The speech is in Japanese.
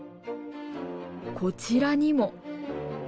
こちらにも。